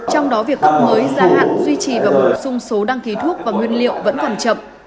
trong đó việc cấp mới gia hạn duy trì và bổ sung số đăng ký thuốc và nguyên liệu vẫn còn chậm